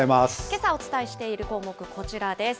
けさお伝えしている項目、こちらです。